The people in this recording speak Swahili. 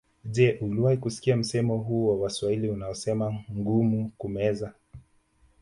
Je uliwahi kusikia msemo huu wa Waswahili wanasema ngumu kumeza